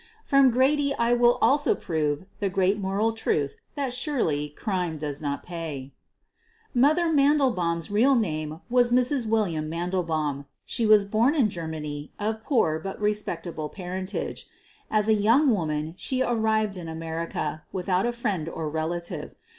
From Grady I will also prove the great moral truth that surely crime does not pay !" Mother' ' Mandelbaum's real name was Mrs. William Mandelbaum. She was born in Germany of poor but respectable parentage. As a young woman she arrived in America without a friend or relative.